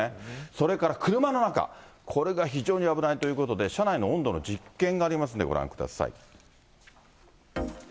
それから車の中、これが非常に危ないということで、車内の温度の実験がありますんで、ご覧ください。